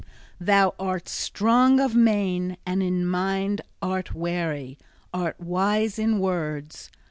Thou art strong of main and in mind art wary, art wise in words!